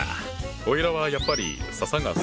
おいらはやっぱり笹が好きだな！